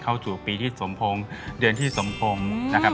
เข้าสู่ปีที่สมพงศ์เดือนที่สมพงศ์นะครับ